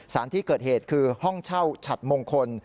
สารที่เกิดเหตุคือห้องเช่าฉัดมงคล